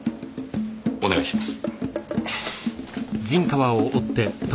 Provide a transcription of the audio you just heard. お願いします。